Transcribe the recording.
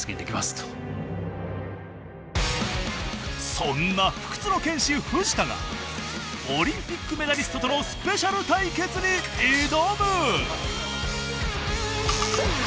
そんな不屈の剣士藤田がオリンピックメダリストとのスペシャル対決に挑む！